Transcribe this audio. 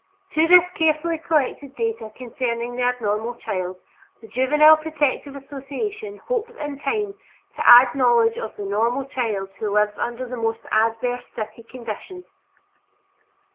To this carefully collected data concerning the abnormal child, the Juvenile Protective Association hopes in time to add knowledge of the normal child who lives under the most adverse city conditions.